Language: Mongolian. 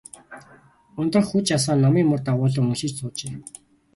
Ундрах хүж асаан, номын мөр дагуулан уншиж суужээ.